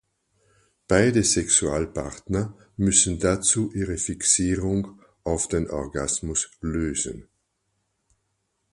Beide Sexualpartner müssen dazu ihre Fixierung auf den Orgasmus lösen.